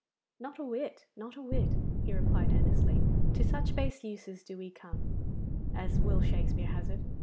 'Not a whit! not a whit!' he replied earnestly. '"To such base uses do we come," as Will Shakespeare has it.